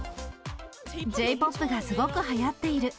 ＪーＰＯＰがすごくはやっている。